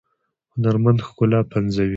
هنرمند ښکلا پنځوي